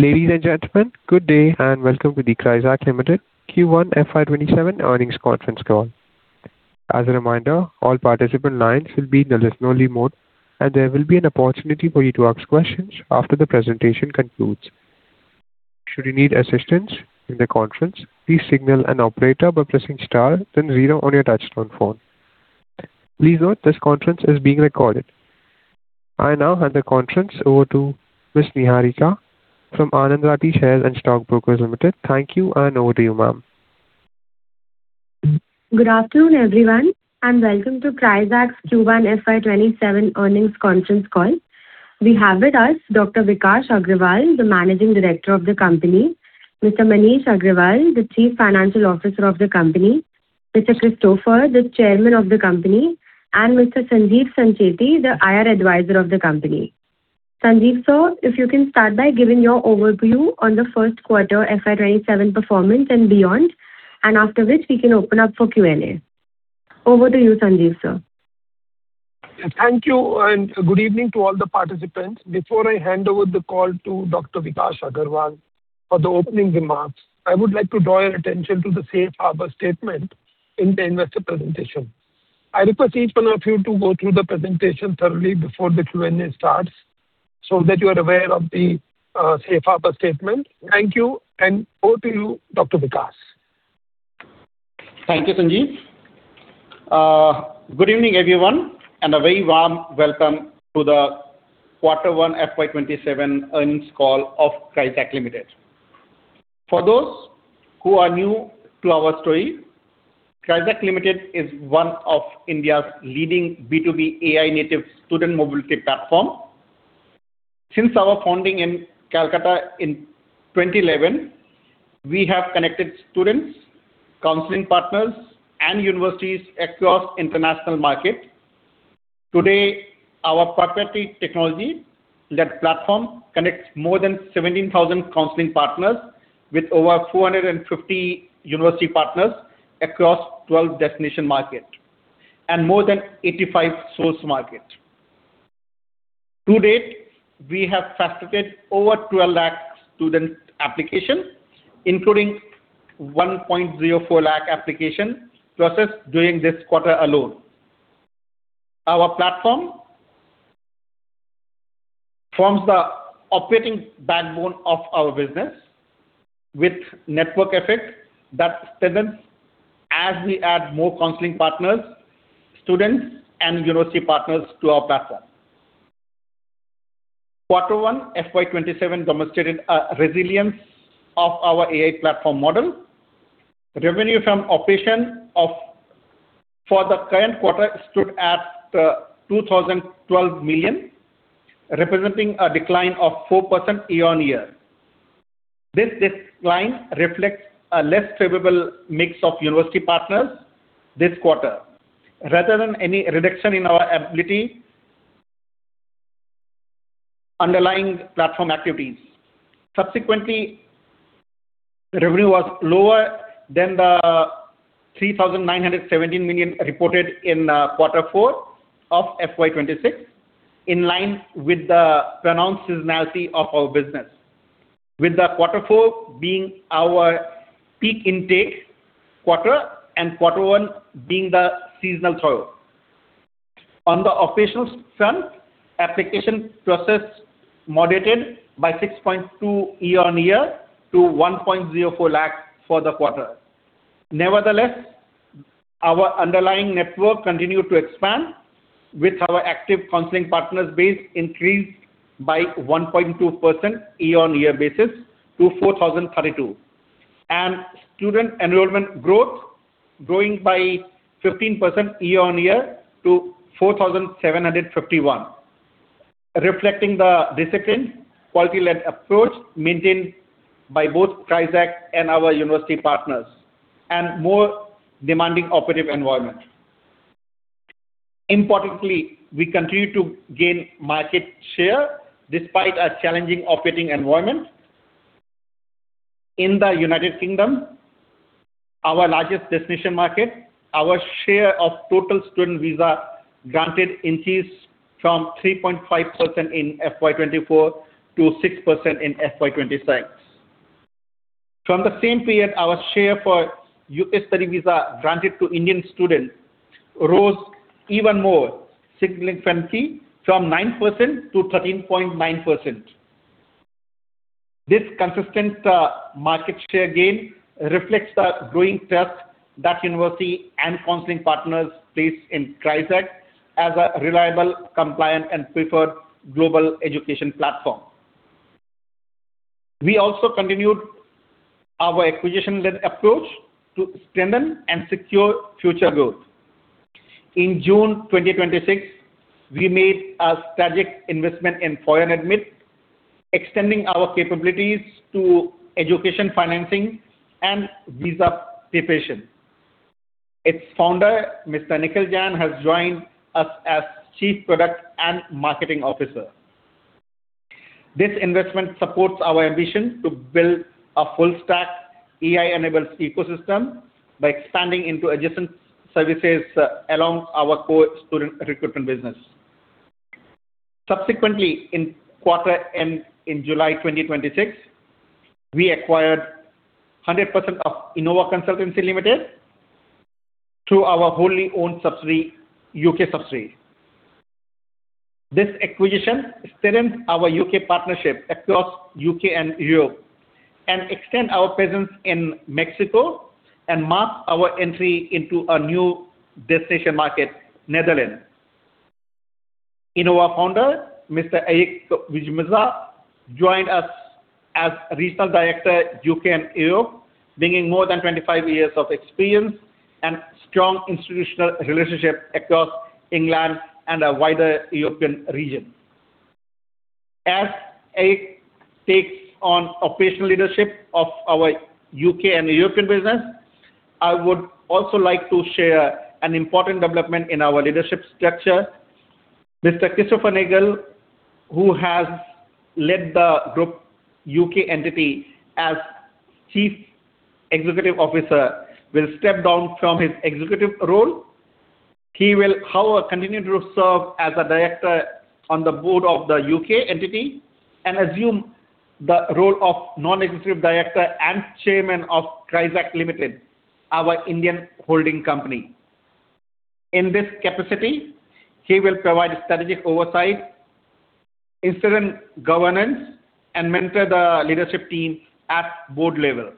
Ladies and gentlemen, good day. Welcome to the Crizac Limited Q1 FY 2027 Earnings Conference call. As a reminder, all participant lines will be in listen only mode. There will be an opportunity for you to ask questions after the presentation concludes. Should you need assistance in the conference, please signal an operator by pressing star then zero on your touchtone phone. Please note this conference is being recorded. I now hand the conference over to Ms. Niharikaa from Anand Rathi Shares and Stock Brokers Limited. Thank you. Over to you, ma'am. Good afternoon, everyone. Welcome to Crizac Q1 FY 2027 Earnings Conference call. We have with us Dr. Vikash Agarwal, the Managing Director of the company; Mr. Manish Agarwal, the Chief Financial Officer of the company, Mr. Christopher, the Chairman of the company, and Mr. Sanjeev Sancheti, the IR Advisor of the company. Sanjeev, sir, if you can start by giving your overview on the first quarter FY 2027 performance and beyond. After which we can open up for Q&A. Over to you, Sanjeev, sir. Thank you. Good evening to all the participants. Before I hand over the call to Dr. Vikash Agarwal for the opening remarks, I would like to draw your attention to the safe harbor statement in the investor presentation. I request each one of you to go through the presentation thoroughly before the Q&A starts that you are aware of the safe harbor statement. Thank you. Over to you, Dr. Vikash. Thank you, Sanjeev. Good evening, everyone. A very warm welcome to the Q1 FY 2027 earnings call of Crizac Limited. For those who are new to our story, Crizac Limited is one of India's leading B2B AI-native student mobility platform. Since our founding in Kolkata in 2011, we have connected students, counseling partners, universities across international markets. Today, our proprietary technology-led platform connects more than 17,000 counseling partners with over 450 university partners across 12 destination markets and more than 85 source markets. To date, we have facilitated over 12 lakh student applications, including 1.04 lakh applications processed during this quarter alone. Our platform forms the operating backbone of our business with network effect that strengthens as we add more counseling partners, students, university partners to our platform. Q1 FY 2027 demonstrated a resilience of our AI platform model. Revenue from operation for the current quarter stood at 2,012 million, representing a decline of 4% year-on-year. This decline reflects a less favorable mix of university partners this quarter rather than any reduction in our ability underlying platform activities. Subsequently, revenue was lower than the 3,917 million reported in quarter four of FY 2026, in line with the pronounced seasonality of our business, with the quarter four being our peak intake quarter and quarter one being the seasonal trough. On the operations front, application process moderated by 6.2% year-on-year to 1.04 lakh for the quarter. Nevertheless, our underlying network continued to expand with our active counseling partners base increased by 1.2% year-on-year basis to 4,032, and student enrollment growth growing by 15% year-on-year to 4,751, reflecting the disciplined quality-led approach maintained by both Crizac and our university partners and more demanding operating environment. Importantly, we continue to gain market share despite a challenging operating environment. In the U.K., our largest destination market, our share of total student visa granted increased from 3.5% in FY 2024 to 6% in FY 2026. From the same period, our share for U.S. study visa granted to Indian students rose even more significantly from 9% to 13.9%. This consistent market share gain reflects the growing trust that university and counseling partners place in Crizac as a reliable, compliant, and preferred global education platform. We also continued our acquisition-led approach to strengthen and secure future growth. In June 2026, we made a strategic investment in ForeignAdmits, extending our capabilities to education financing and visa preparation. Its founder, Mr. Nikhil Jain, has joined us as Chief Product and Marketing Officer. This investment supports our ambition to build a full stack AI-enabled ecosystem by expanding into adjacent services along our core student recruitment business. Subsequently, in quarter end in July 2026, we acquired 100% of Inova Consultancy Limited through our wholly owned U.K. subsidiary. This acquisition strengthened our U.K. partnership across U.K. and Europe, and extend our presence in Mexico and mark our entry into a new destination market, Netherlands. Inova Founder, Mr. Eric Wijmenga, joined us as Regional Director, U.K. and Europe, bringing more than 25 years of experience and strong institutional relationships across England and a wider European region. As Eric takes on operational leadership of our U.K. and European business, I would also like to share an important development in our leadership structure. Mr. Christopher Nagle, who has led the group U.K. entity as Chief Executive Officer, will step down from his executive role. He will, however, continue to serve as a Director on the Board of the U.K. entity and assume the role of Non-Executive Director and Chairman of Crizac Limited, our Indian holding company. In this capacity, he will provide strategic oversight, instilling governance, and mentor the leadership team at Board level.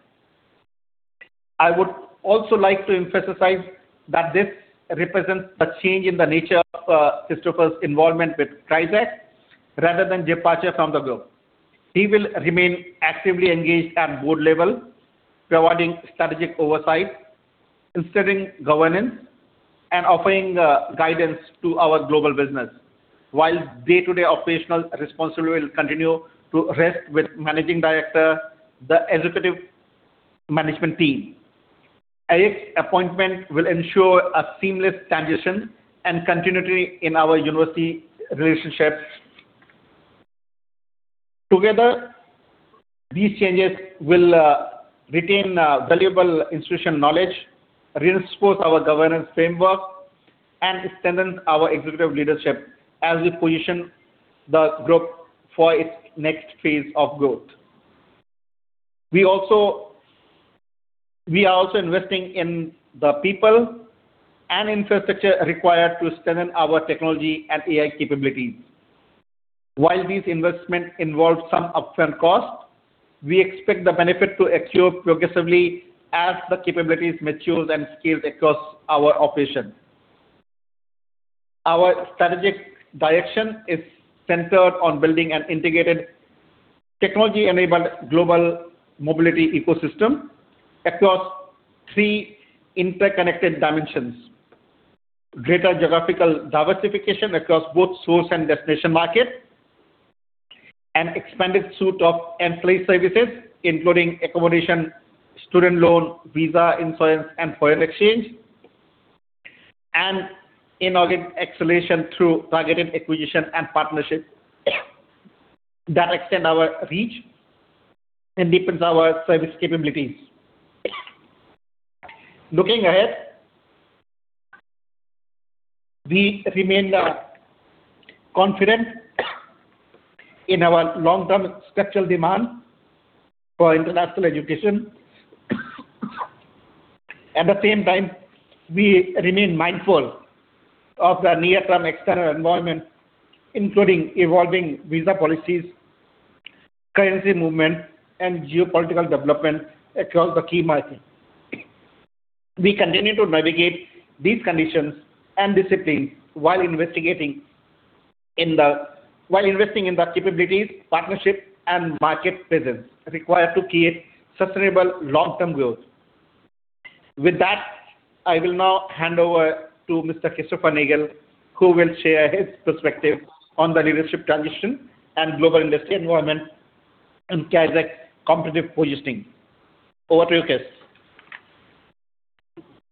I would also like to emphasize that this represents a change in the nature of Christopher's involvement with Crizac rather than departure from the group. He will remain actively engaged at Board level, providing strategic oversight, instilling governance, and offering guidance to our global business while day-to-day operational responsibility will continue to rest with Managing Director, the executive management team. Eric's appointment will ensure a seamless transition and continuity in our university relationships. Together, these changes will retain valuable institutional knowledge, reinforce our governance framework, and strengthen our executive leadership as we position the group for its next phase of growth. We are also investing in the people and infrastructure required to strengthen our technology and AI capabilities. While these investments involve some upfront costs, we expect the benefit to accrue progressively as the capabilities mature and scale across our operations. Our strategic direction is centered on building an integrated technology-enabled global mobility ecosystem across three interconnected dimensions. Greater geographical diversification across both source and destination markets, an expanded suite of end-to-end services including accommodation, student loan, visa, insurance, and foreign exchange. Inorganic acceleration through targeted acquisitions and partnerships that extend our reach and deepen our service capabilities. Looking ahead, we remain confident in our long-term structural demand for international education. At the same time, we remain mindful of the near-term external environment, including evolving visa policies, currency movement, and geopolitical development across the key markets. We continue to navigate these conditions and disciplines while investing in the capabilities, partnership, and market presence required to create sustainable long-term growth. With that, I will now hand over to Mr. Christopher Nagle, who will share his perspective on the leadership transition and global industry environment and Crizac competitive positioning. Over to you, Chris.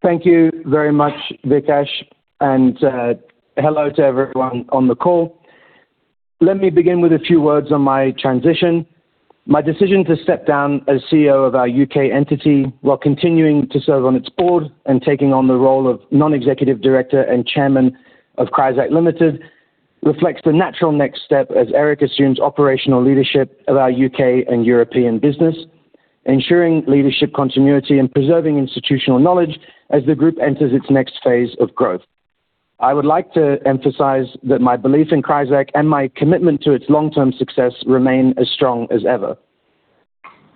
Thank you very much, Vikash, and hello to everyone on the call. Let me begin with a few words on my transition. My decision to step down as CEO of our U.K. entity while continuing to serve on its Board and taking on the role of non-executive director and chairman of Crizac Limited reflects the natural next step as Eric assumes operational leadership of our U.K. and European business, ensuring leadership continuity and preserving institutional knowledge as the group enters its next phase of growth. I would like to emphasize that my belief in Crizac and my commitment to its long-term success remain as strong as ever.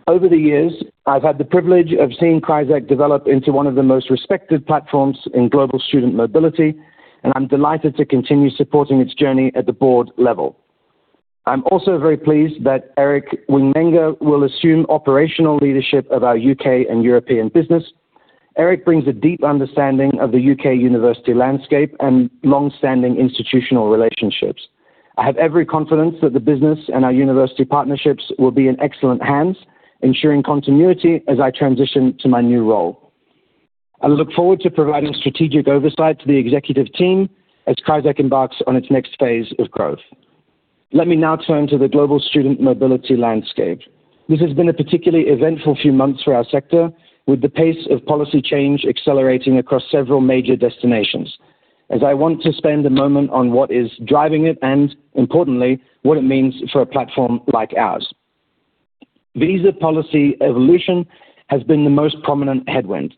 Over the years, I've had the privilege of seeing Crizac develop into one of the most respected platforms in global student mobility, and I'm delighted to continue supporting its journey at the Board level. I'm also very pleased that Eric Wijmenga will assume operational leadership of our U.K. and European business. Eric brings a deep understanding of the U.K. university landscape and long-standing institutional relationships. I have every confidence that the business and our university partnerships will be in excellent hands, ensuring continuity as I transition to my new role. I look forward to providing strategic oversight to the executive team as Crizac embarks on its next phase of growth. Let me now turn to the global student mobility landscape. This has been a particularly eventful few months for our sector, with the pace of policy change accelerating across several major destinations. I want to spend a moment on what is driving it and importantly, what it means for a platform like ours. Visa policy evolution has been the most prominent headwind.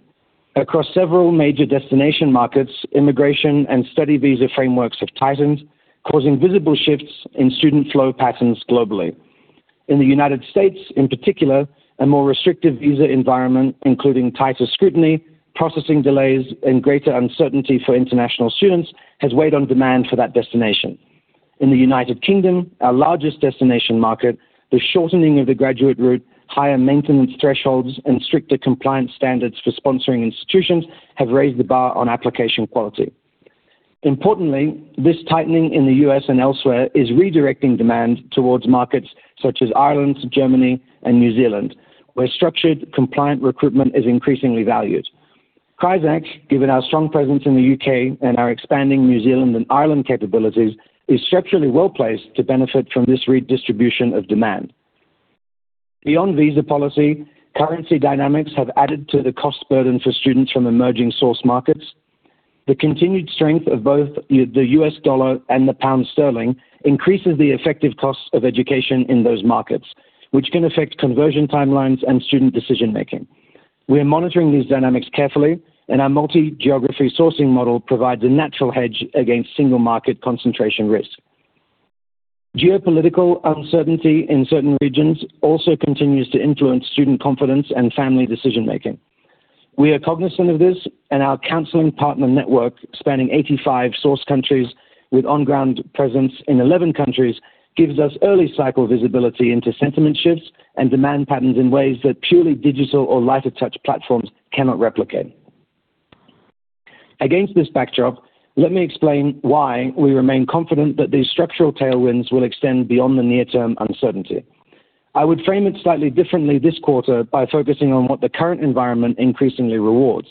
Across several major destination markets, immigration and study visa frameworks have tightened, causing visible shifts in student flow patterns globally. In the U.S., in particular, a more restrictive visa environment, including tighter scrutiny, processing delays, and greater uncertainty for international students, has weighed on demand for that destination. In the U.K., our largest destination market, the shortening of the graduate route, higher maintenance thresholds, and stricter compliance standards for sponsoring institutions have raised the bar on application quality. Importantly, this tightening in the U.S. and elsewhere is redirecting demand towards markets such as Ireland, Germany, and New Zealand, where structured compliant recruitment is increasingly valued. Crizac, given our strong presence in the U.K. and our expanding New Zealand and Ireland capabilities, is structurally well-placed to benefit from this redistribution of demand. Beyond visa policy, currency dynamics have added to the cost burden for students from emerging source markets. The continued strength of both the U.S. dollar and the pound sterling increases the effective cost of education in those markets, which can affect conversion timelines and student decision-making. Our multi-geography sourcing model provides a natural hedge against single-market concentration risk. Geopolitical uncertainty in certain regions also continues to influence student confidence and family decision-making. We are cognizant of this, our counseling partner network, spanning 85 source countries with on-ground presence in 11 countries, gives us early-cycle visibility into sentiment shifts and demand patterns in ways that purely digital or lighter-touch platforms cannot replicate. Against this backdrop, let me explain why we remain confident that these structural tailwinds will extend beyond the near-term uncertainty. I would frame it slightly differently this quarter by focusing on what the current environment increasingly rewards.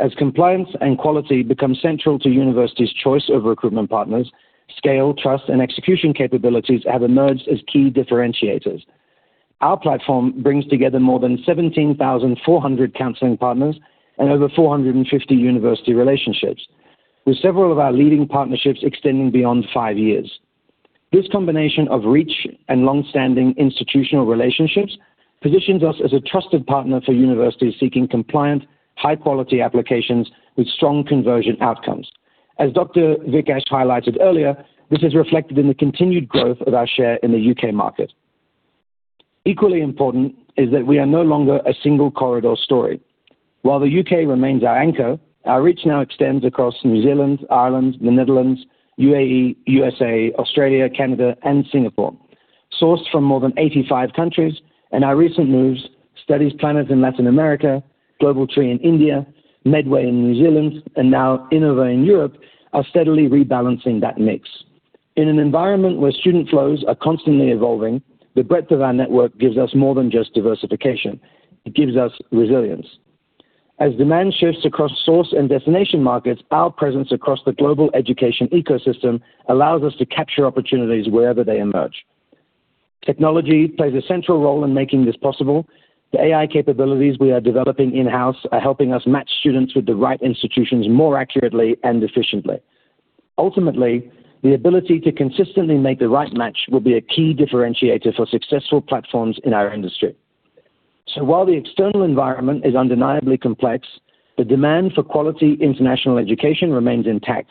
As compliance and quality become central to universities' choice of recruitment partners, scale, trust, and execution capabilities have emerged as key differentiators. Our platform brings together more than 17,400 counseling partners and over 450 university relationships, with several of our leading partnerships extending beyond five years. This combination of reach and long-standing institutional relationships positions us as a trusted partner for universities seeking compliant, high-quality applications with strong conversion outcomes. As Dr. Vikash highlighted earlier, this is reflected in the continued growth of our share in the U.K. market. Equally important is that we are no longer a single corridor story. While the U.K. remains our anchor, our reach now extends across New Zealand, Ireland, the Netherlands, UAE, U.S., Australia, Canada, and Singapore, sourced from more than 85 countries, our recent moves, Studies Planet in Latin America, Global Tree Careers Private Limited in India, Medway in New Zealand, and now Inova in Europe, are steadily rebalancing that mix. In an environment where student flows are constantly evolving, the breadth of our network gives us more than just diversification. It gives us resilience. As demand shifts across source and destination markets, our presence across the global education ecosystem allows us to capture opportunities wherever they emerge. Technology plays a central role in making this possible. The AI capabilities we are developing in-house are helping us match students with the right institutions more accurately and efficiently. Ultimately, the ability to consistently make the right match will be a key differentiator for successful platforms in our industry. While the external environment is undeniably complex, the demand for quality international education remains intact.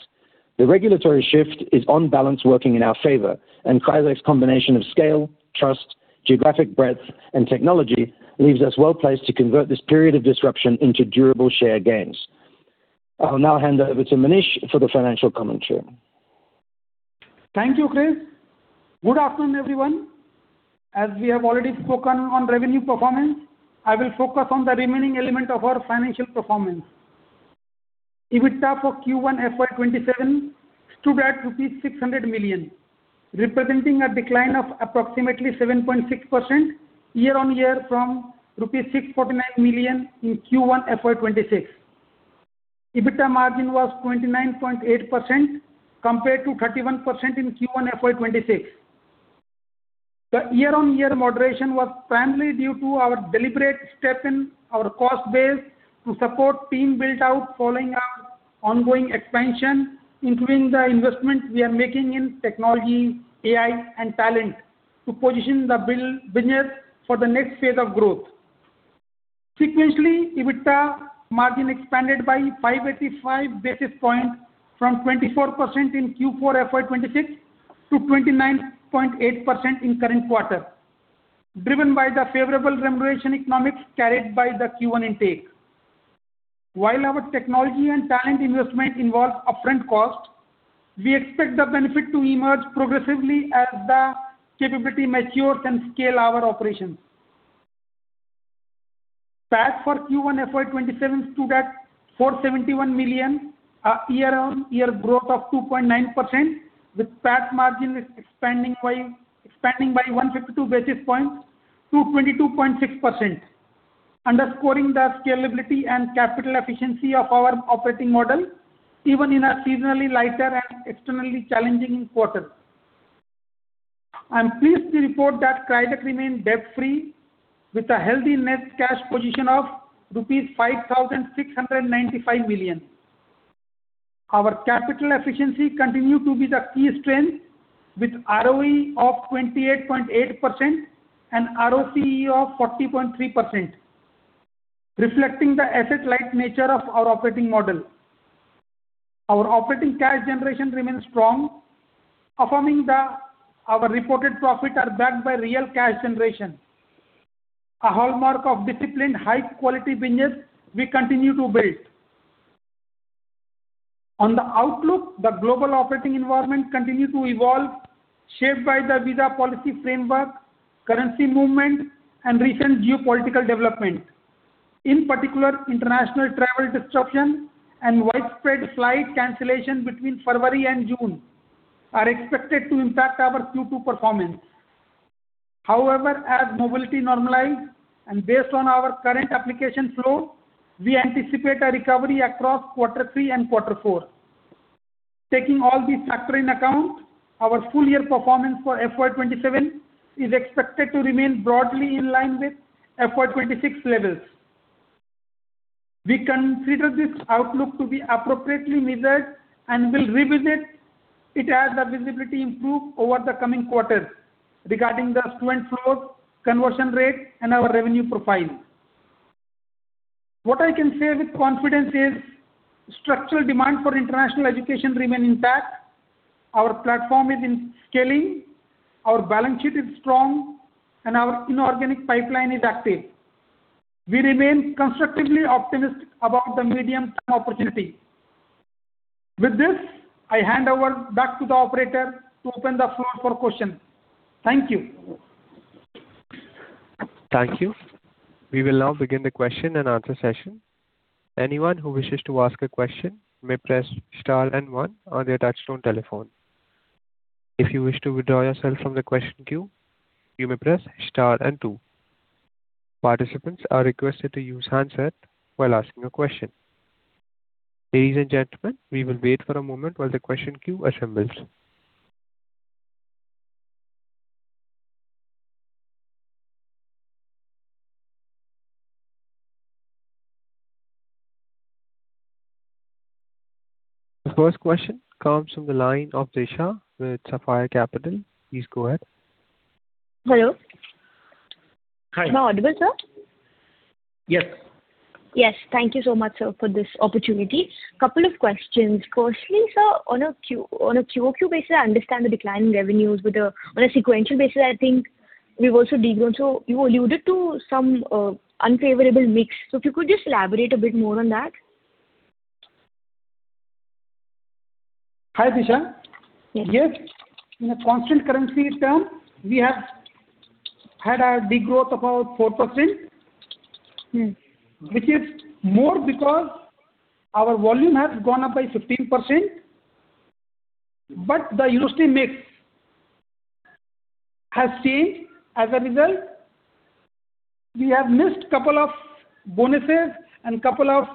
The regulatory shift is on balance, working in our favor, Crizac's combination of scale, trust, geographic breadth, and technology leaves us well-placed to convert this period of disruption into durable share gains. I will now hand over to Manish for the financial commentary. Thank you, Chris. Good afternoon, everyone. As we have already spoken on revenue performance, I will focus on the remaining element of our financial performance. EBITDA for Q1 FY 2027 stood at 600 million, representing a decline of approximately 7.6% year-on-year from INR 649 million in Q1 FY 2026. EBITDA margin was 29.8% compared to 31% in Q1 FY 2026. The year-on-year moderation was primarily due to our deliberate step in our cost base to support team build-out following our ongoing expansion, including the investment we are making in technology, AI, and talent to position the business for the next phase of growth. Sequentially, EBITDA margin expanded by 585 basis points from 24% in Q4 FY 2026 to 29.8% in current quarter, driven by the favorable remuneration economics carried by the Q1 intake. While our technology and talent investment involves upfront cost, we expect the benefit to emerge progressively as the capability matures and scale our operations. PAT for Q1 FY 2027 stood at 471 million, a year-on-year growth of 2.9%, with PAT margin expanding by 152 basis points to 22.6%. Underscoring the scalability and capital efficiency of our operating model, even in a seasonally lighter and externally challenging quarter. I'm pleased to report that Crizac remains debt-free with a healthy net cash position of rupees 5,695 million. Our capital efficiency continue to be the key strength, with ROE of 28.8% and ROCE of 40.3%, reflecting the asset-light nature of our operating model. Our operating cash generation remains strong, affirming that our reported profit are backed by real cash generation. A hallmark of disciplined, high-quality business we continue to build. On the outlook, the global operating environment continue to evolve, shaped by the visa policy framework, currency movement, and recent geopolitical development. In particular, international travel disruption and widespread flight cancellation between February and June are expected to impact our Q2 performance. However, as mobility normalize and based on our current application flow, we anticipate a recovery across quarter three and quarter four. Taking all these factor in account, our full year performance for FY 2027 is expected to remain broadly in line with FY 2026 levels. We consider this outlook to be appropriately measured and will revisit it as the visibility improve over the coming quarters regarding the student flow, conversion rate, and our revenue profile. What I can say with confidence is structural demand for international education remain intact, our platform is in scaling, our balance sheet is strong, our inorganic pipeline is active. We remain constructively optimistic about the medium term opportunity. With this, I hand over back to the operator to open the floor for question. Thank you. Thank you. We will now begin the question and answer session. Anyone who wishes to ask a question may press star and one on their touchtone telephone. If you wish to withdraw yourself from the question queue, you may press star and two. Participants are requested to use handset while asking a question. Ladies and gentlemen, we will wait for a moment while the question queue assembles. The first question comes from the line of Disha with Sapphire Capital. Please go ahead. Hello. Hi. Am I audible, sir? Yes. Yes. Thank you so much, sir, for this opportunity. Couple of questions. Firstly, sir, on a QoQ basis, I understand the decline in revenues on a sequential basis, I think we've also de-grown. You alluded to some unfavorable mix. If you could just elaborate a bit more on that. Hi, Disha. Yes. Yes. In a constant currency term, we have had a de-growth about 4%. Which is more because our volume has gone up by 15%, but the university mix has changed. As a result, we have missed couple of bonuses and couple of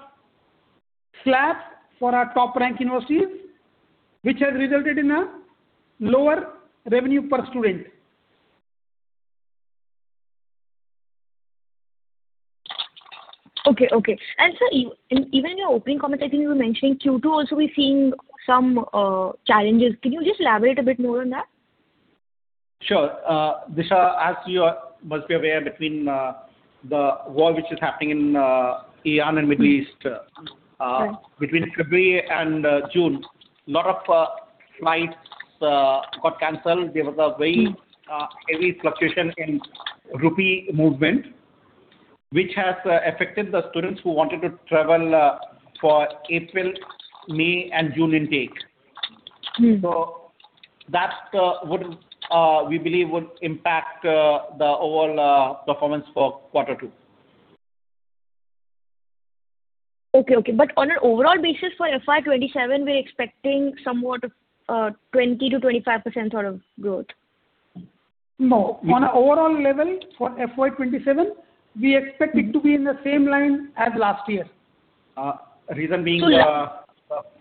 slabs for our top-ranked universities, which has resulted in a lower revenue per student. Okay. Sir, even your opening comments, I think you were mentioning Q2 also we're seeing some challenges. Can you just elaborate a bit more on that? Sure. Disha, as you must be aware, between the war which is happening in Iran and Middle East. Right between February and June, lot of flights got canceled. There was a very heavy fluctuation in rupee movement, which has affected the students who wanted to travel for April, May, and June intake. That, we believe, would impact the overall performance for quarter two. Okay. On an overall basis for FY 2027, we're expecting somewhat a 20%-25% sort of growth. No. On an overall level for FY 2027, we expect it to be in the same line as last year. Reason being- So that-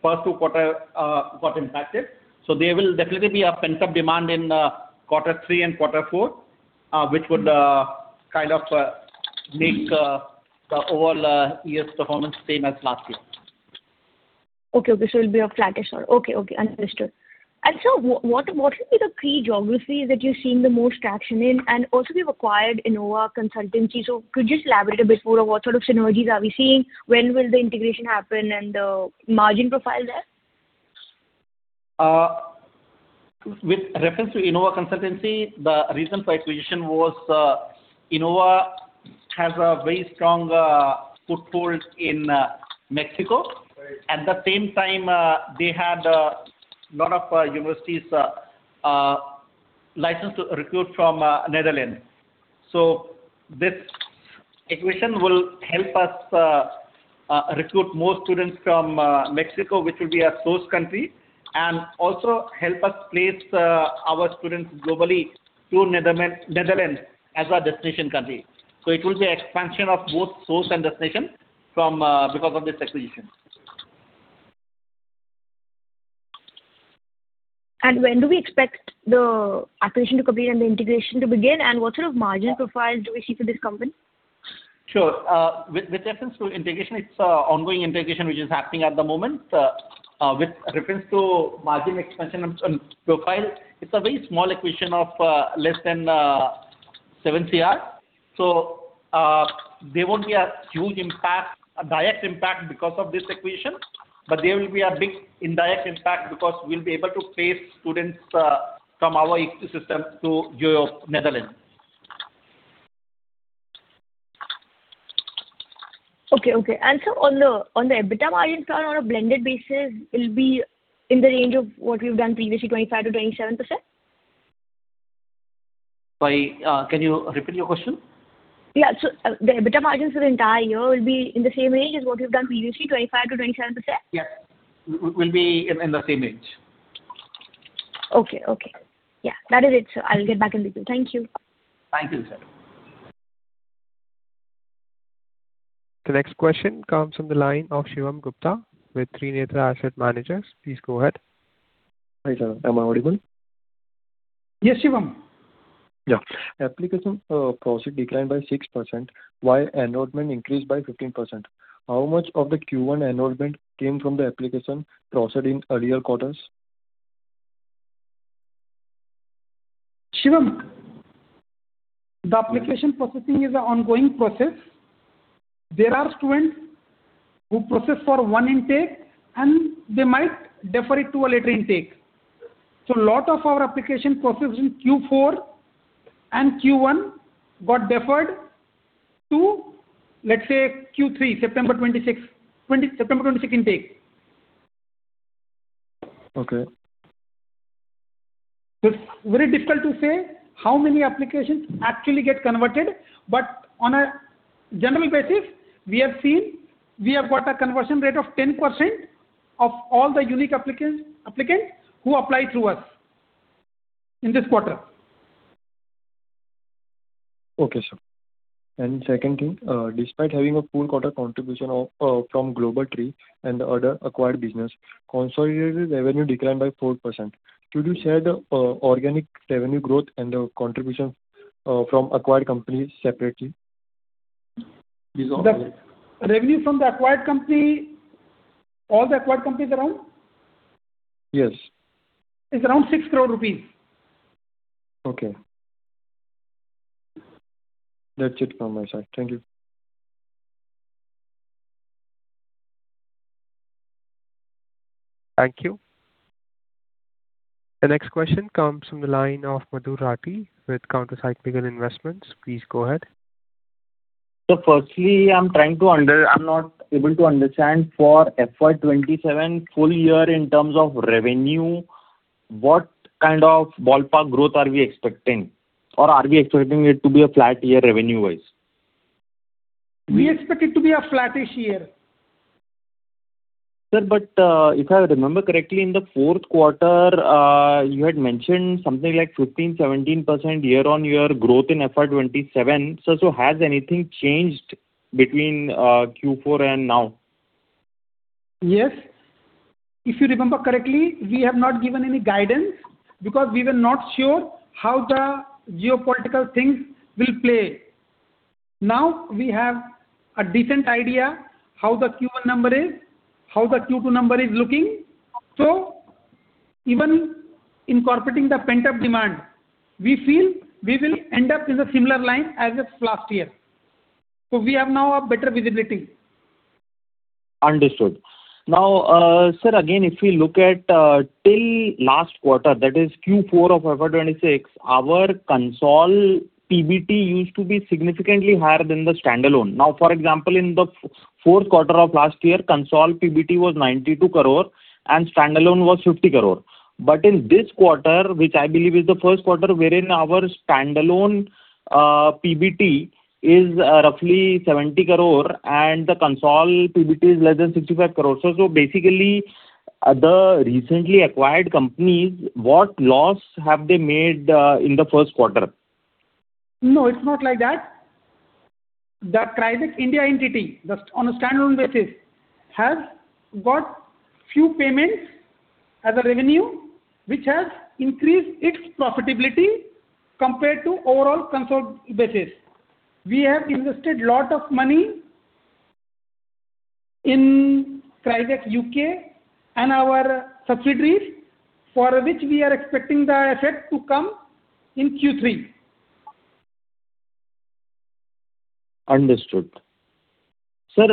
First two quarters got impacted. There will definitely be a pent-up demand in quarter three and quarter four, which would kind of make the overall year's performance same as last year. Okay. It'll be a flattish sort of. Okay, understood. Sir, what should be the key geographies that you're seeing the most traction in? Also you've acquired Inova Consultancy. Could you just elaborate a bit more on what sort of synergies are we seeing? When will the integration happen and the margin profile there? With reference to Inova Consultancy, the reason for acquisition was Inova has a very strong foothold in Mexico. At the same time, they had a lot of universities licensed to recruit from Netherlands. This acquisition will help us recruit more students from Mexico, which will be our source country, and also help us place our students globally through Netherlands as our destination country. It will be expansion of both source and destination because of this acquisition. When do we expect the acquisition to complete and the integration to begin, and what sort of margin profiles do we see for this company? Sure. With reference to integration, it's ongoing integration, which is happening at the moment. With reference to margin expansion profile, it's a very small acquisition of less than 7 crore. There won't be a huge impact, a direct impact because of this acquisition, but there will be a big indirect impact because we'll be able to place students from our ecosystem to Netherlands. Sir, on the EBITDA margin front on a blended basis, it will be in the range of what we have done previously, 25%-27%? Sorry, can you repeat your question? Yeah. The EBITDA margins for the entire year will be in the same range as what we have done previously, 25%-27%? Yes. Will be in the same range. Okay. Yeah, that is it, sir. I'll get back in the queue. Thank you. Thank you. The next question comes from the line of Shivam Gupta with Trinetra Asset Managers. Please go ahead. Hi, sir. Am I audible? Yes, Shivam. Yeah. Application processed declined by 6% while enrollment increased by 15%. How much of the Q1 enrollment came from the application processed in earlier quarters? Shivam, the application processing is an ongoing process. There are students who process for one intake, and they might defer it to a later intake. A lot of our application processing Q4 and Q1 got deferred to, let's say, Q3, September 26 intake. Okay. It's very difficult to say how many applications actually get converted. On a general basis, we have seen we have got a conversion rate of 10% of all the unique applicants who apply through us in this quarter. Okay, sir. Second thing, despite having a full quarter contribution from Global Tree and the other acquired business, consolidated revenue declined by 4%. Could you share the organic revenue growth and the contribution from acquired companies separately? The revenue from all the acquired companies around? Yes. It's around 6 crore rupees. Okay. That's it from my side. Thank you. Thank you. The next question comes from the line of Madhur Rathi with Counter Cyclical Investments. Please go ahead. Sir, firstly, I am not able to understand for FY 2027 full year in terms of revenue, what kind of ballpark growth are we expecting? Or are we expecting it to be a flat year revenue-wise? We expect it to be a flattish year. Sir, if I remember correctly, in the fourth quarter, you had mentioned something like 15%-17% year-on-year growth in FY 2027. Has anything changed between Q4 and now? Yes. If you remember correctly, we have not given any guidance because we were not sure how the geopolitical things will play. We have a decent idea how the Q1 number is, how the Q2 number is looking. Even incorporating the pent-up demand, we feel we will end up in a similar line as of last year. We have now a better visibility. Understood. Sir, again, if we look at till last quarter, that is Q4 of FY 2026, our consol PBT used to be significantly higher than the standalone. For example, in the fourth quarter of last year, consol PBT was 92 crore and standalone was 50 crore. In this quarter, which I believe is the first quarter wherein our standalone PBT is roughly 70 crore and the consol PBT is less than 65 crore. Basically, the recently acquired companies, what loss have they made in the first quarter? No, it's not like that. The Crizac India entity, just on a standalone basis, has got few payments as a revenue, which has increased its profitability compared to overall consolidated basis. We have invested lot of money in Crizac U.K. and our subsidiaries, for which we are expecting the effect to come in Q3. Understood. Sir,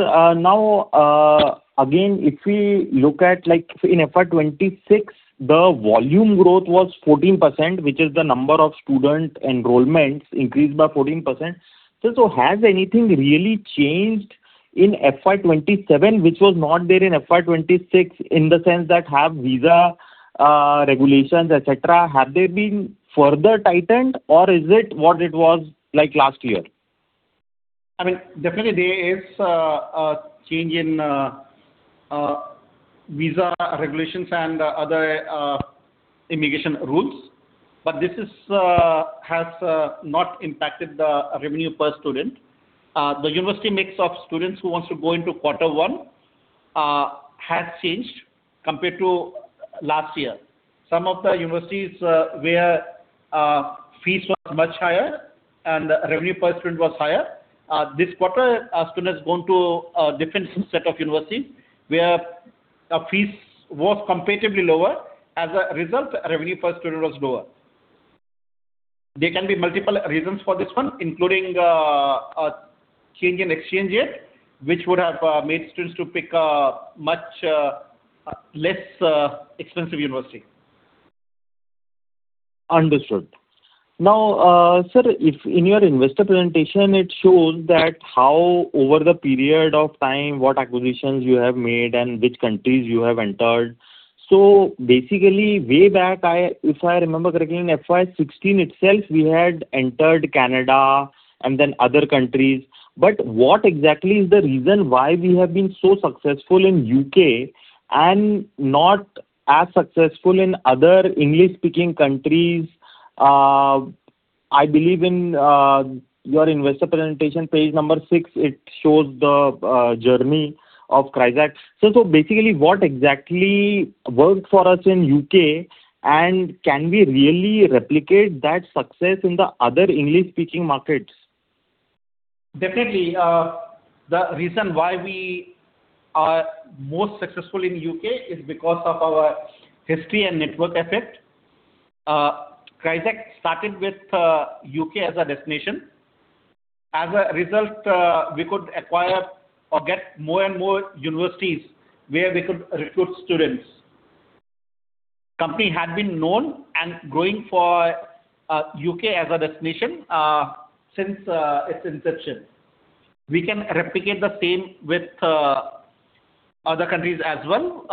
again, if we look at in FY 2026, the volume growth was 14%, which is the number of student enrollments increased by 14%. Sir, has anything really changed in FY 2027, which was not there in FY 2026, in the sense that have visa regulations, etc., have they been further tightened or is it what it was like last year? Definitely there is a change in visa regulations and other immigration rules. This has not impacted the revenue per student. The university mix of students who want to go into quarter one has changed compared to last year. Some of the universities where fees were much higher and revenue per student was higher, this quarter our students went to a different set of universities where fees were comparatively lower. As a result, revenue per student was lower. There can be multiple reasons for this one, including a change in exchange rate, which would have made students to pick a much less expensive university. Understood. Sir, in your investor presentation, it shows that how over the period of time what acquisitions you have made and which countries you have entered. Way back, if I remember correctly, in FY 2016 itself, we had entered Canada and then other countries. What exactly is the reason why we have been so successful in U.K. and not as successful in other English-speaking countries? I believe in your investor presentation, page number six, it shows the journey of Crizac. What exactly worked for us in U.K., and can we really replicate that success in the other English-speaking markets? Definitely. The reason why we are most successful in U.K. is because of our history and network effect. Crizac started with U.K. as a destination. As a result, we could acquire or get more and more universities where we could recruit students. Company had been known and growing for U.K. as a destination, since its inception. We can replicate the same with other countries as well.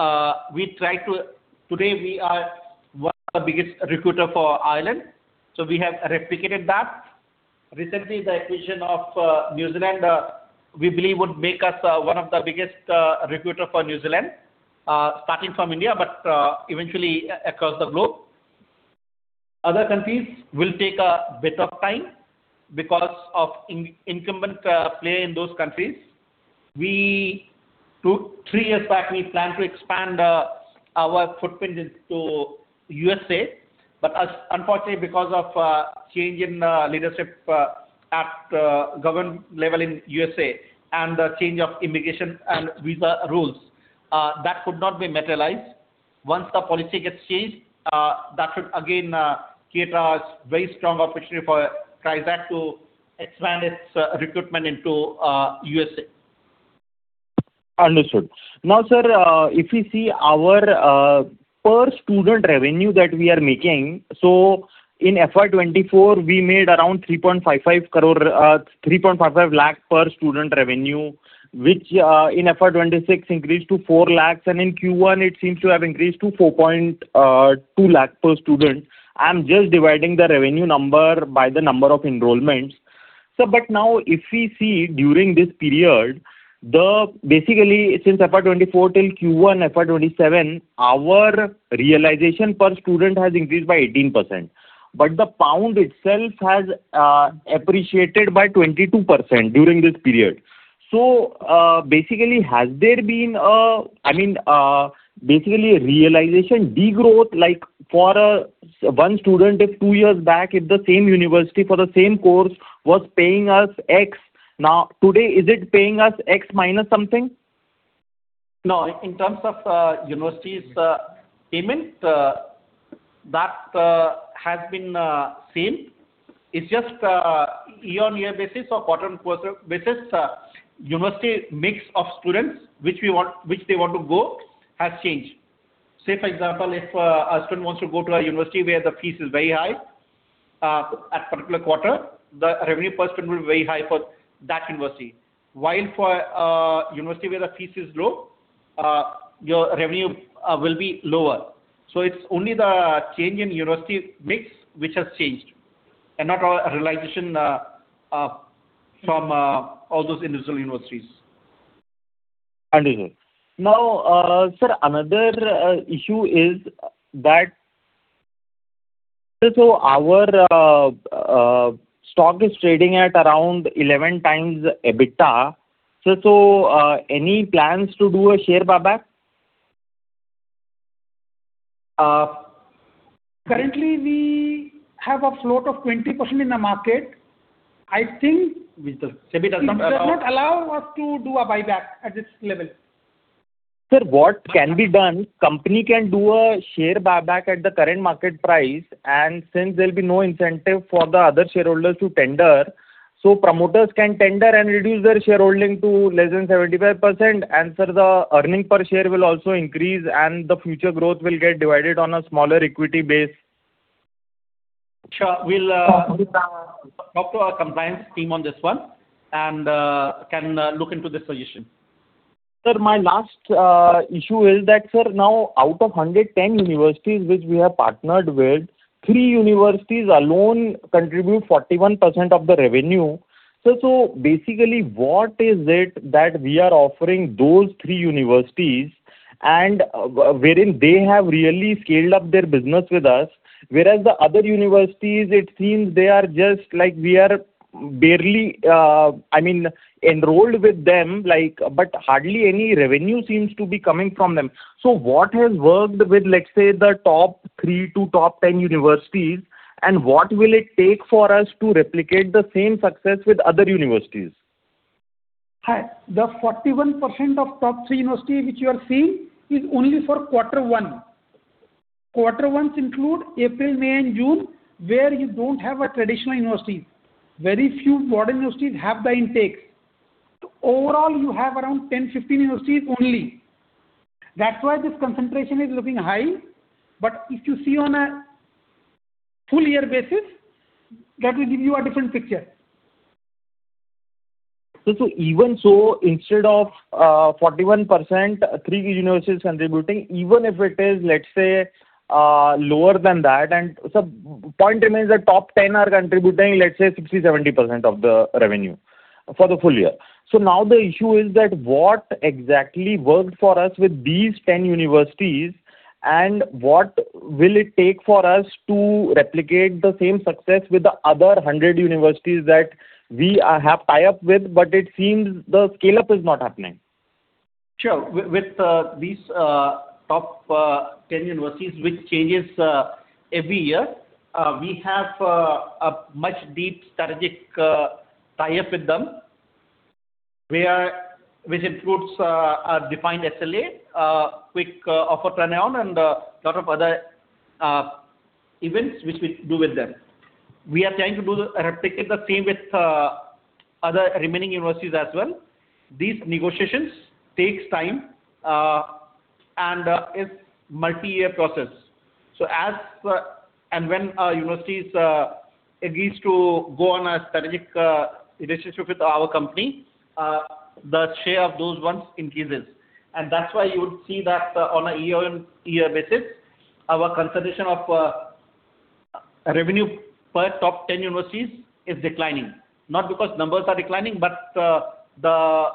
Today, we are one of the biggest recruiter for Ireland. We have replicated that. Recently, the acquisition of New Zealand, we believe, would make us one of the biggest recruiter for New Zealand, starting from India, but eventually across the globe. Other countries will take a bit of time because of incumbent play in those countries. Three years back, we planned to expand our footprint into USA. Unfortunately because of change in leadership at government level in USA and the change of immigration and visa rules, that could not be materialized. Once the policy gets changed, that should again create a very strong opportunity for Crizac to expand its recruitment into USA. Understood. Sir, if we see our per student revenue that we are making. In FY 2024, we made around 3.55 lakh per student revenue, which in FY 2026 increased to 4 lakh, and in Q1, it seems to have increased to 4.2 lakh per student. I'm just dividing the revenue number by the number of enrollments. Sir, if we see during this period, basically since FY 2024 till Q1 FY 2027, our realization per student has increased by 18%, but the GBP itself has appreciated by 22% during this period. Basically, has there been a realization de-growth, like for one student, if two years back, if the same university for the same course was paying us X, now today, is it paying us X minus something? No, in terms of universities' payment, that has been same. It's just a year-over-year basis or quarter-over-quarter basis. University mix of students which they want to go has changed. Say, for example, if a student wants to go to a university where the fees is very high at particular quarter, the revenue per student will be very high for that university. While for a university where the fees is low, your revenue will be lower. It's only the change in university mix which has changed, and not a realization from all those individual universities. Understood. Sir, another issue is that our stock is trading at around 11x EBITDA. Any plans to do a share buyback? Currently, we have a float of 20% in the market. Which the SEBI doesn't allow. It does not allow us to do a buyback at this level. Sir, what can be done, company can do a share buyback at the current market price. Since there'll be no incentive for the other shareholders to tender, promoters can tender and reduce their shareholding to less than 75%. Sir, the earnings per share will also increase. The future growth will get divided on a smaller equity base. Sure. We'll talk to our compliance team on this one and can look into this solution. Sir, my last issue is that, sir, now out of 110 universities which we have partnered with, three universities alone contribute 41% of the revenue. Sir, basically, what is it that we are offering those three universities and wherein they have really scaled up their business with us, whereas the other universities, it seems they are just like we are barely enrolled with them, but hardly any revenue seems to be coming from them. What has worked with, let's say, the top three to top 10 universities, and what will it take for us to replicate the same success with other universities? Hi. The 41% of top three university which you are seeing is only for quarter one. Quarter ones include April, May, and June, where you don't have traditional universities. Very few modern universities have the intakes. Overall, you have around 10, 15 universities only. That's why this concentration is looking high. If you see on a full year basis, that will give you a different picture. Even so, instead of 41%, three universities contributing, even if it is, let's say, lower than that, and sir, point remains that top 10 are contributing, let's say, 60%-70% of the revenue for the full year. Now the issue is that what exactly worked for us with these 10 universities, and what will it take for us to replicate the same success with the other 100 universities that we have tie-up with, but it seems the scale-up is not happening. Sure. With these top 10 universities, which changes every year, we have a much deep strategic tie-up with them, which includes a defined SLA, quick offer turnaround, and a lot of other events which we do with them. We are trying to replicate the same with other remaining universities as well. These negotiations take time, and it's multi-year process. As and when a university agrees to go on a strategic relationship with our company, the share of those ones increases. That's why you would see that on a year-on-year basis, our concentration of revenue per top 10 universities is declining, not because numbers are declining, but the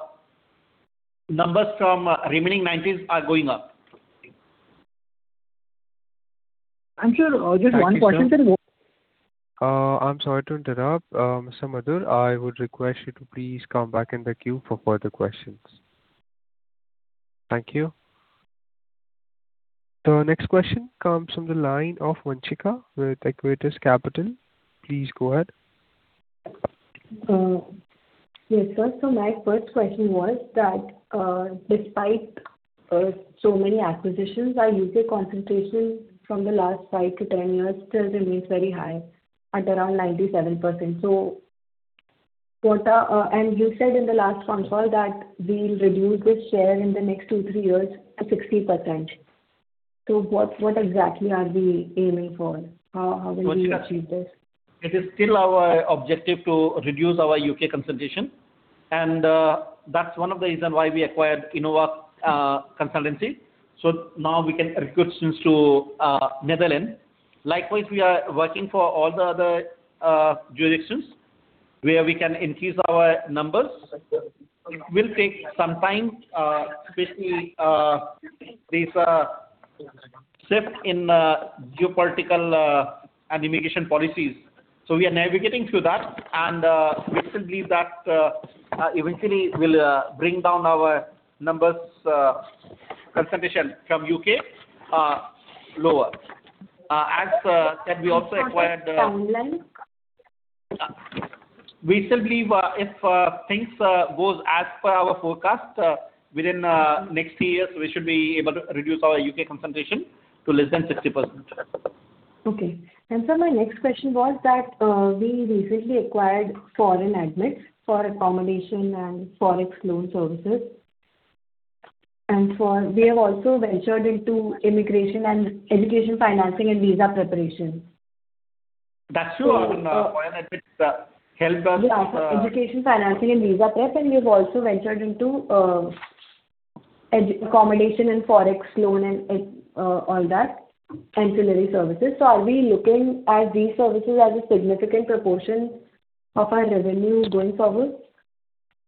numbers from remaining 90 are going up. Sir, just one question. I am sorry to interrupt. Mr. Madhur, I would request you to please come back in the queue for further questions. Thank you. The next question comes from the line of Vanshika with Equitas Capital. Please go ahead. Yes, sir. My first question was that despite so many acquisitions, our U.K. concentration from the last five to 10 years still remains very high at around 97%. You said in the last call that we will reduce this share in the next two, three years to 60%. What exactly are we aiming for? How will we achieve this? It is still our objective to reduce our U.K. concentration, and that is one of the reason why we acquired Inova Consultancy. Now we can recruit students to Netherlands. Likewise, we are working for all the other jurisdictions where we can increase our numbers. It will take some time, especially these shifts in geopolitical and immigration policies. We are navigating through that, and we still believe that eventually will bring down our numbers concentration from U.K. lower. As said, we also acquired. What is the timeline? We still believe if things goes as per our forecast, within next three years, we should be able to reduce our U.K. concentration to less than 60%. Okay. sir, my next question was that we recently acquired ForeignAdmits for accommodation and Forex loan services. We have also ventured into immigration and education financing and visa preparation. That's true. ForeignAdmits helped us. We have also ventured into accommodation and Forex loan and all that, ancillary services. Are we looking at these services as a significant proportion of our revenue going forward?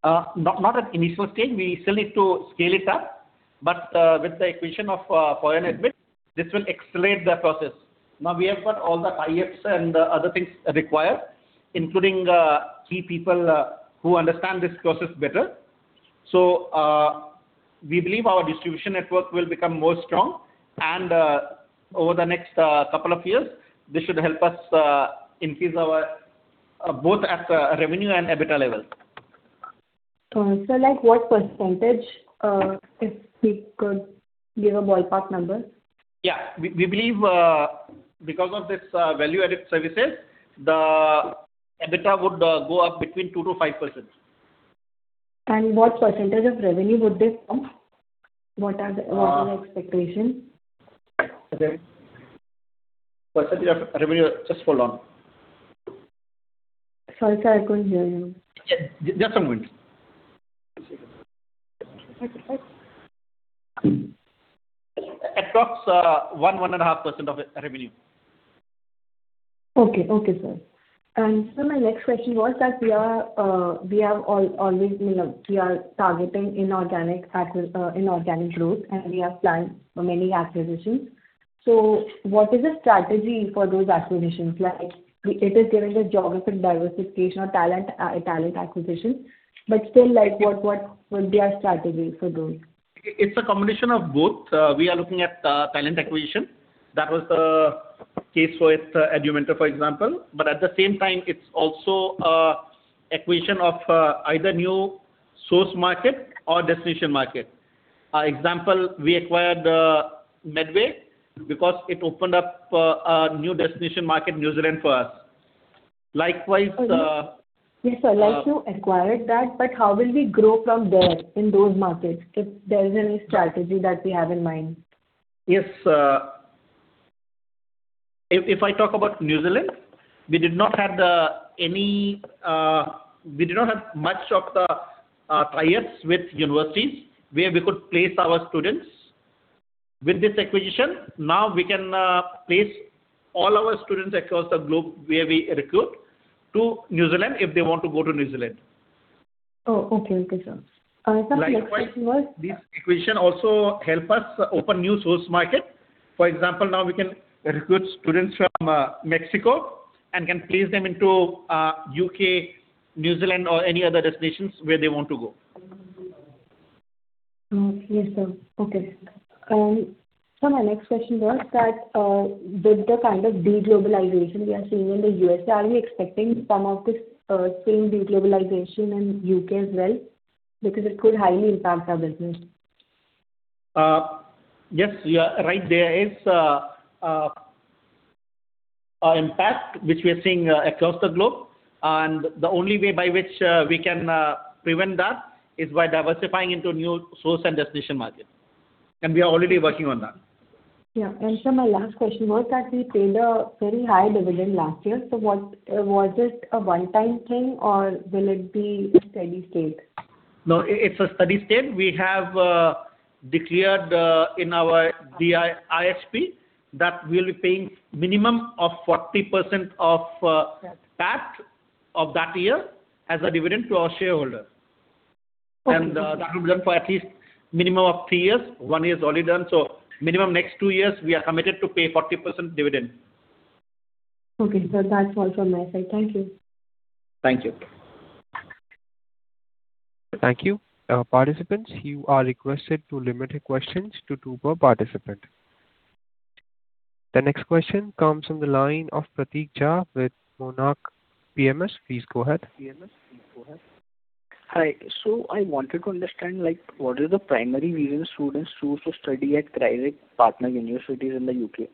Not at initial stage. We still need to scale it up. With the acquisition of ForeignAdmits, this will accelerate the process. We have got all the tie-ups and other things required, including key people who understand this process better. We believe our distribution network will become more strong, and over the next couple of years, this should help us increase our both at revenue and EBITDA levels. Sir, like what percentage, if we could give a ballpark number? Yeah. We believe because of this value-added services, the EBITDA would go up between 2%-5%. What percentage of revenue would they form? What are the expectations? Okay percentage of revenue, just hold on. Sorry, sir. I couldn't hear you. Just a moment. At approx one, 1.5% of revenue. Okay, sir. Sir, my next question was that we are targeting inorganic growth, and we have planned for many acquisitions. What is the strategy for those acquisitions? Like, it is given the geographic diversification or talent acquisition, but still, what would be our strategy for those? It's a combination of both. We are looking at talent acquisition. That was the case with Edument, for example. At the same time, it's also acquisition of either new source market or destination market. Example, we acquired Medway because it opened up a new destination market, New Zealand, for us. Yes, sir. Like you acquired that, but how will we grow from there in those markets? If there is any strategy that we have in mind. Yes. If I talk about New Zealand, we did not have much of the ties with universities where we could place our students. With this acquisition, now we can place all our students across the globe where we recruit to New Zealand if they want to go to New Zealand. Oh, okay. Okay, sir. Sir, my next question was. Likewise, this acquisition also help us open new source market. For example, now we can recruit students from Mexico and can place them into U.K., New Zealand, or any other destinations where they want to go. Yes, sir. Okay. Sir, my next question was that with the kind of de-globalization we are seeing in the U.S., are we expecting some of this same de-globalization in U.K. as well? Because it could highly impact our business. Yes, you are right. There is impact which we are seeing across the globe, and the only way by which we can prevent that is by diversifying into new source and destination markets, and we are already working on that. Yeah. Sir, my last question was that we paid a very high dividend last year. Was it a one-time thing, or will it be a steady state? No, it's a steady state. We have declared in our RHP that we'll be paying minimum of 40% of- Yes PAT of that year as a dividend to our shareholder. Okay. That will run for at least minimum of three years. One year is already done, minimum next two years, we are committed to pay 40% dividend. Okay, sir. That's all from my side. Thank you. Thank you. Thank you. Participants, you are requested to limit your questions to two per participant. The next question comes from the line of Prateek Jha with Monarch PMS. Please go ahead. Hi. I wanted to understand what is the primary reason students choose to study at Crizac partner universities in the U.K. Is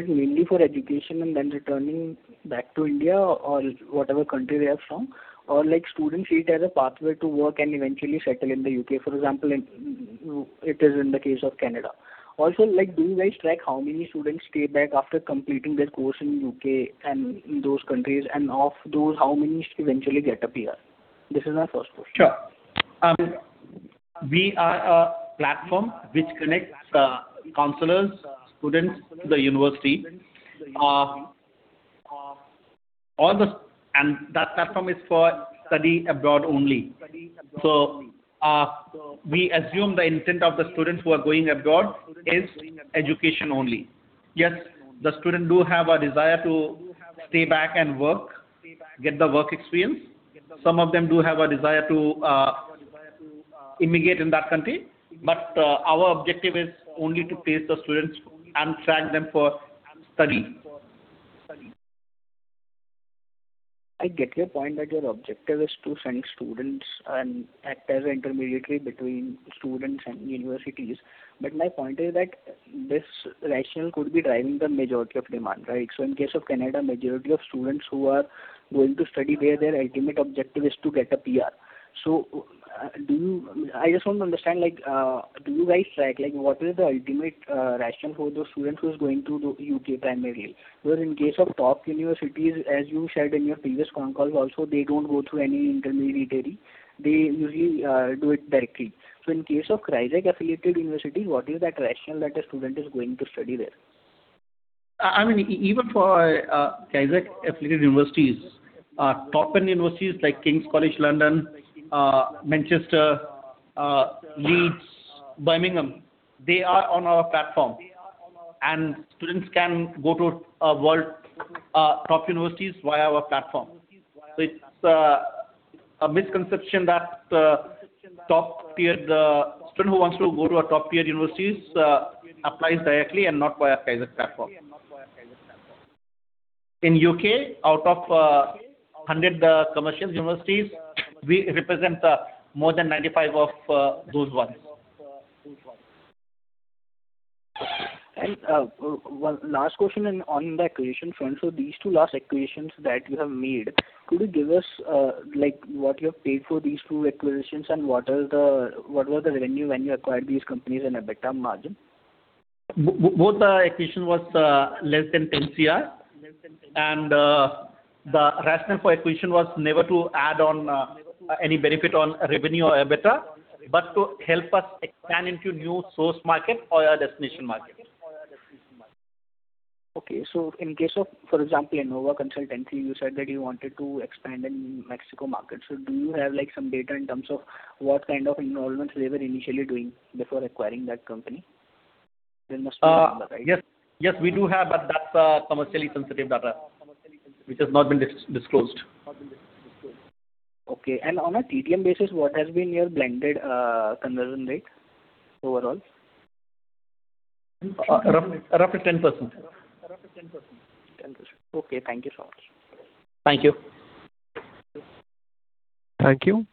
it mainly for education and then returning back to India or whatever country they are from, or students see it as a pathway to work and eventually settle in the U.K., for example, it is in the case of Canada. Also, do you guys track how many students stay back after completing their course in U.K. and in those countries, and of those, how many eventually get a PR? This is my first question. Sure. We are a platform which connects counselors, students to the university. That platform is for study abroad only. We assume the intent of the students who are going abroad is education only. Yes, the student do have a desire to stay back and work, get the work experience. Some of them do have a desire to immigrate in that country. Our objective is only to place the students and track them for study. I get your point that your objective is to send students and act as an intermediary between students and universities, my point is that this rationale could be driving the majority of demand, right? In case of Canada, majority of students who are going to study there, their ultimate objective is to get a PR. I just want to understand, do you guys track what is the ultimate rationale for those students who is going to the U.K. primarily? In case of top universities, as you shared in your previous con call also, they don't go through any intermediary. They usually do it directly. In case of Crizac-affiliated university, what is that rationale that a student is going to study there? Even for Crizac-affiliated universities, top-end universities like King's College London, Manchester, Leeds, Birmingham, they are on our platform. Students can go to world top universities via our platform. It's a misconception that student who wants to go to a top-tier universities applies directly and not via Crizac platform. In U.K., out of 100 commercial universities, we represent more than 95 of those ones. One last question on the acquisition front. These two last acquisitions that you have made, could you give us what you have paid for these two acquisitions, and what was the revenue when you acquired these companies and EBITDA margin? Both the acquisition was less than 10 crore. The rationale for acquisition was never to add on any benefit on revenue or EBITDA, but to help us expand into new source market or a destination market. Okay. In case of, for example, Inova Consultancy, you said that you wanted to expand in Mexico market. Do you have some data in terms of what kind of enrollments they were initially doing before acquiring that company? They must have done that, right? Yes. We do have, but that's commercially sensitive data, which has not been disclosed. Okay. On a TTM basis, what has been your blended conversion rate overall? Roughly 10%. 10%. Okay. Thank you so much. Thank you. Thank you.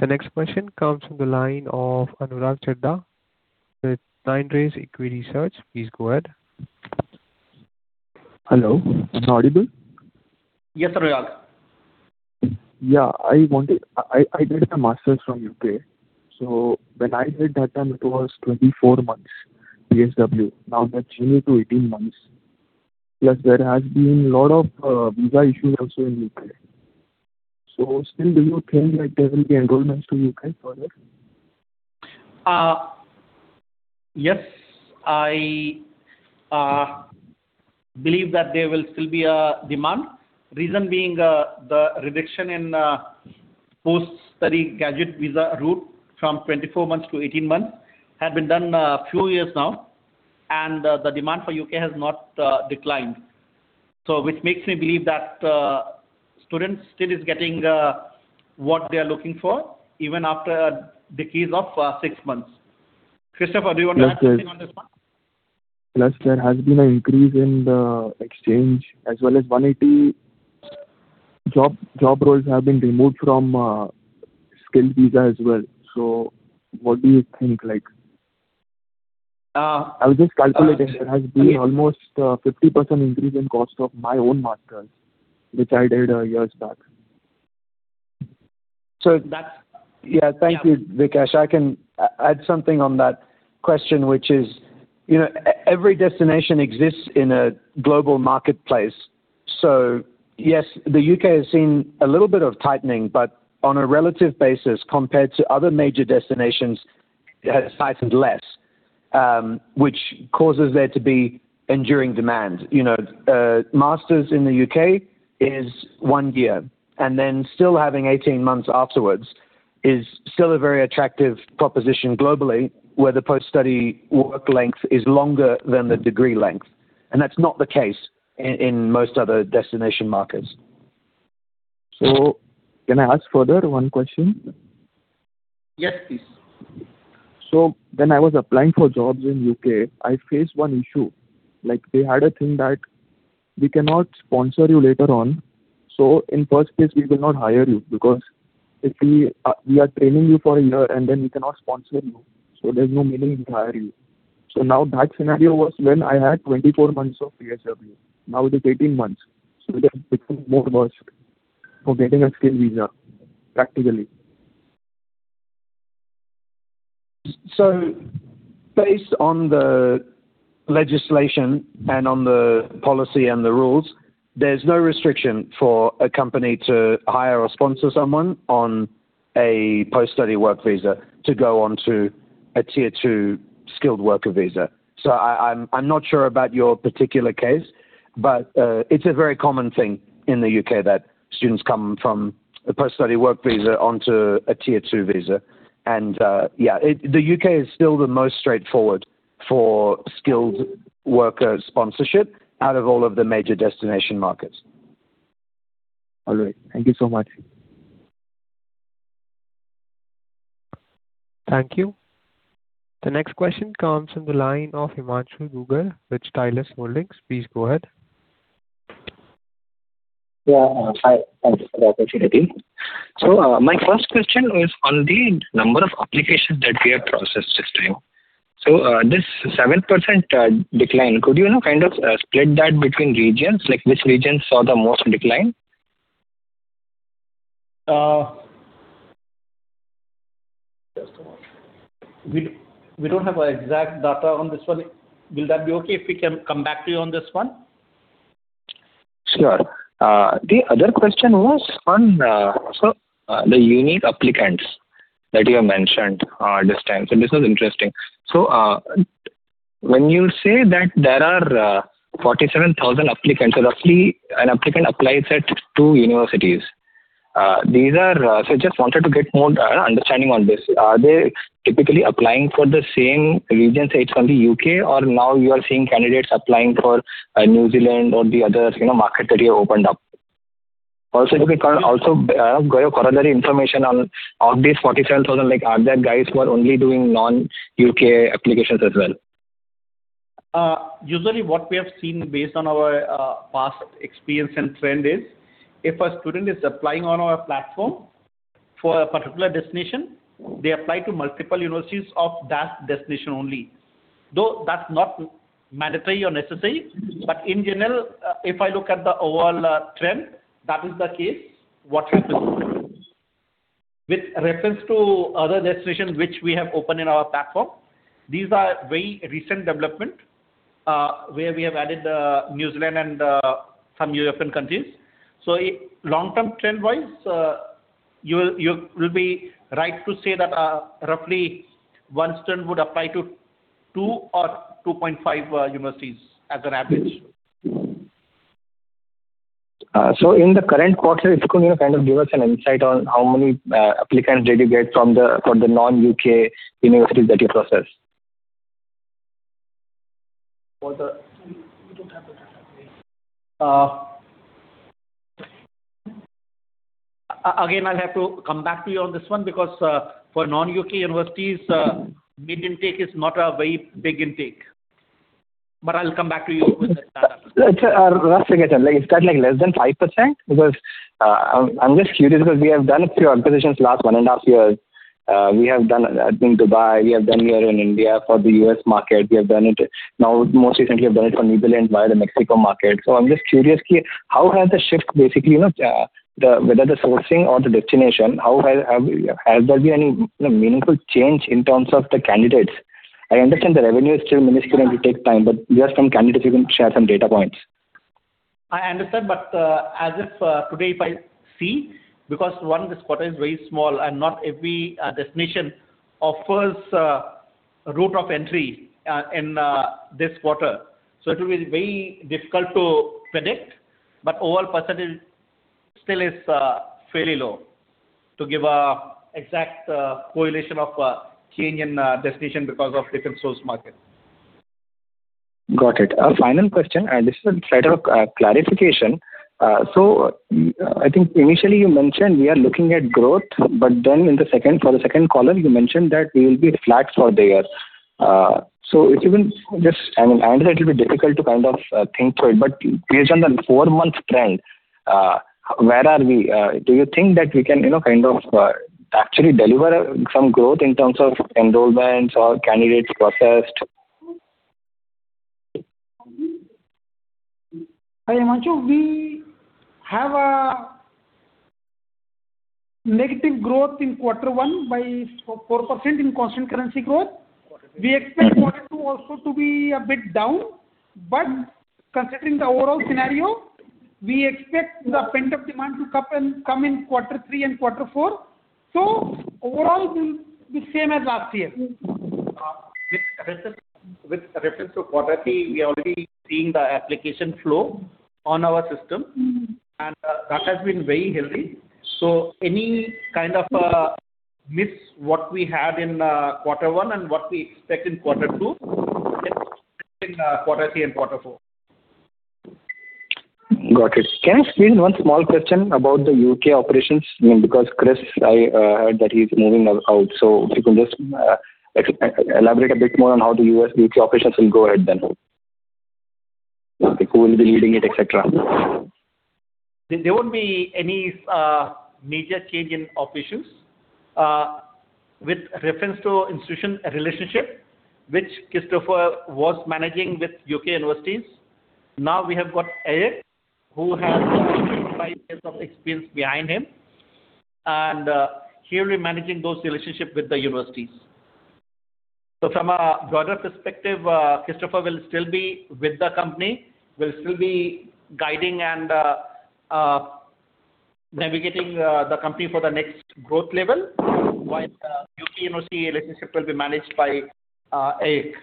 The next question comes from the line of Anurag Chheda with 9 Rays EquiResearch. Please go ahead. Hello, am I audible? Yes, Anurag. Yeah. I did a master's from U.K., so when I did that time, it was 24 months PSW. Now they've changed to 18 months. Plus there has been lot of visa issues also in U.K. Still do you think there will be enrollments to U.K. for that? Yes, I believe that there will still be a demand. Reason being, the reduction in post-study graduate visa route from 24-18 months had been done a few years now, and the demand for U.K. has not declined. Which makes me believe that student still is getting what they're looking for even after the loss of six months. Christopher, do you want to add something on this one? there has been an increase in the exchange as well as 180 job roles have been removed from skilled visa as well. What do you think? I was just calculating. There has been almost a 50% increase in cost of my own master's, which I did years back. that's Yeah. Thank you, Vikash. I can add something on that question, which is, every destination exists in a global marketplace. Yes, the U.K. has seen a little bit of tightening, but on a relative basis compared to other major destinations, it has tightened less, which causes there to be enduring demand. Master's in the U.K. is one year, and then still having 18 months afterwards is still a very attractive proposition globally, where the post-study work length is longer than the degree length, and that's not the case in most other destination markets. Can I ask further one question? Yes, please. When I was applying for jobs in U.K., I faced one issue. They had a thing that we cannot sponsor you later on. In first case, we will not hire you because if we are training you for a year and then we cannot sponsor you, there's no meaning in hiring you. Now that scenario was when I had 24 months of PSW. Now it is 18 months, it has become more worse for getting a skilled visa, practically. Based on the legislation and on the policy and the rules, there's no restriction for a company to hire or sponsor someone on a post-study work visa to go onto a Tier 2 skilled worker visa. I'm not sure about your particular case, but it's a very common thing in the U.K. that students come from a post-study work visa onto a Tier 2 visa. Yeah, the U.K. is still the most straightforward for skilled worker sponsorship out of all of the major destination markets. All right. Thank you so much. Thank you. The next question comes from the line of Himanshu Dugar with Stylus Holdings. Please go ahead. Yeah. Hi. Thank you for the opportunity. My first question was on the number of applications that we have processed this time. This 7% decline, could you kind of split that between regions, like which regions saw the most decline? We don't have exact data on this one. Will that be okay if we come back to you on this one? Sure. The other question was on the unique applicants that you have mentioned this time. This was interesting. When you say that there are 47,000 applicants, roughly an applicant applies at two universities. Just wanted to get more understanding on this. Are they typically applying for the same regions, say, it's only U.K., or now you are seeing candidates applying for New Zealand or the other market that you opened up? If you could also give a corollary information on, of these 47,000, are there guys who are only doing non-U.K. applications as well? Usually what we have seen based on our past experience and trend is, if a student is applying on our platform for a particular destination, they apply to multiple universities of that destination only, though that is not mandatory or necessary. In general, if I look at the overall trend, that is the case. What happens. With reference to other destinations which we have opened in our platform, these are very recent development, where we have added New Zealand and some European countries. Long-term trend-wise, you will be right to say that roughly one student would apply to two or 2.5 universities as an average. In the current quarter, if you could give us an insight on how many applicants did you get for the non-U.K. universities that you processed. Again, I will have to come back to you on this one because for non-U.K. universities, mid intake is not a very big intake. I will come back to you with the data. Roughly, is that less than 5%? I am just curious because we have done a few acquisitions the last one and a half years. We have done in Dubai, we have done here in India for the U.S. market, now most recently have done it for New Zealand via the Mexico market. I am just curious how has the shift, whether the sourcing or the destination, has there been any meaningful change in terms of the candidates? I understand the revenue is still minuscule and will take time, just from candidates, you can share some data points. I understand. As if today if I see, because one, this quarter is very small and not every destination offers a route of entry in this quarter, so it will be very difficult to predict. Overall percentage still is fairly low to give an exact correlation of change in destination because of different source markets. Got it. Final question, this is sort of a clarification. I think initially you mentioned we are looking at growth, then for the second column, you mentioned that we will be flat for the year. I know that it will be difficult to think through it, but based on the four-month trend, where are we? Do you think that we can actually deliver some growth in terms of enrollments or candidates processed? Himanshu, we have a negative growth in quarter one by 4% in constant currency growth. We expect quarter two also to be a bit down. Considering the overall scenario, we expect the pent-up demand to come in quarter three and quarter four. Overall, we'll be same as last year. With reference to quarter three, we are already seeing the application flow on our system, that has been very healthy. Any kind of a miss what we had in quarter one and what we expect in quarter two, in quarter three and quarter four. Got it. Can I squeeze in one small question about the U.K. operations? Chris, I heard that he's moving out. If you can just elaborate a bit more on how the U.S. U.K. operations will go ahead then. Who will be leading it, et cetera. There won't be any major change in operations. With reference to institution relationship, which Christopher was managing with U.K. universities, now we have got Eric, who has five years of experience behind him. He'll be managing those relationships with the universities. From a broader perspective, Christopher will still be with the company, will still be guiding and navigating the company for the next growth level while the U.K. university relationship will be managed by Eric.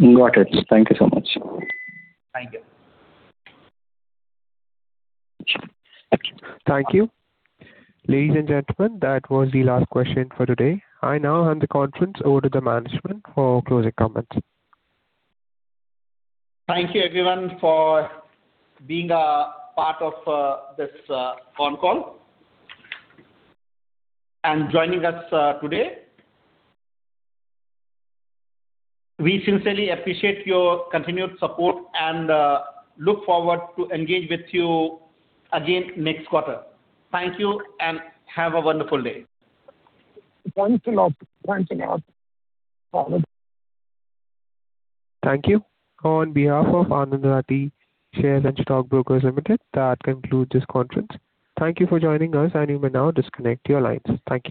Got it. Thank you so much. Thank you. Thank you. Ladies and gentlemen, that was the last question for today. I now hand the conference over to the management for closing comments. Thank you, everyone, for being a part of this phone call and joining us today. We sincerely appreciate your continued support and look forward to engage with you again next quarter. Thank you and have a wonderful day. Thanks a lot. Thank you. On behalf of Anand Rathi Shares and Stock Brokers Limited, that concludes this conference. Thank you for joining us, and you may now disconnect your lines. Thank you.